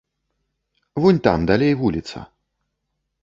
Вунь там далей вуліца.